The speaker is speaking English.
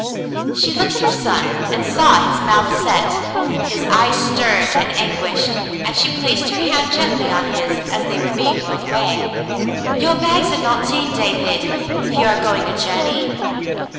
She looked at her son and saw his mouth set, his eyes stern and anguished, and she placed her hand gently on his as they were being whirled away. "Your bags are not in, David, if you are going a journey."